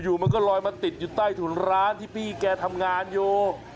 มันก็ลอยมาติดอยู่ใต้ถุนร้านที่พี่แกทำงานอยู่